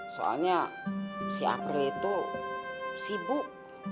soalnya si april itu sibuk